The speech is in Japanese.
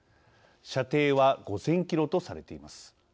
射程は５０００キロとされています。